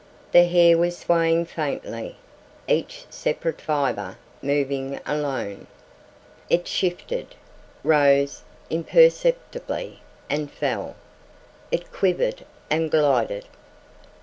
The hair was swaying faintly, each separate fiber moving alone.... It shifted, rose imperceptibly and fell. It quivered and glided....